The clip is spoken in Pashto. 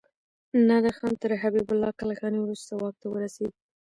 نادر خان تر حبيب الله کلکاني وروسته واک ته ورسيد.